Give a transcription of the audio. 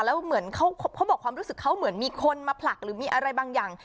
แล้วเหมือนเขาบอกความรู้สึกเขาเหมือนมีคนมาผลักหรือมีอะไรบางอย่าง